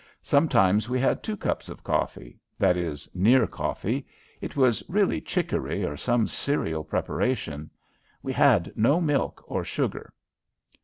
Sometimes we had two cups of coffee that is, near coffee. It was really chicory or some cereal preparation. We had no milk or sugar.